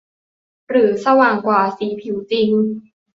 หรือสว่างกว่าสีผิวจริง